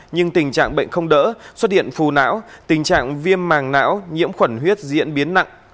nhưng tình trạng bệnh không đỡ xuất hiện phù não tình trạng viêm màng não nhiễm khuẩn huyết diễn biến nặng